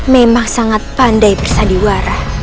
memang sangat pandai bersadiwara